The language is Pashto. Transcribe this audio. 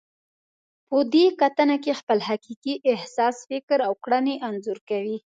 په دې کتنه کې خپل حقیقي احساس، فکر او کړنې انځور کوئ.